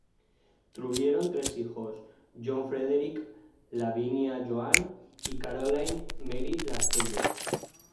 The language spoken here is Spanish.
Tuvieron tres hijos: John Frederick, Lavinia Joan y Caroline Mary Lascelles.